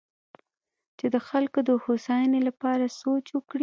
چې د خلکو د هوساینې لپاره سوچ وکړي.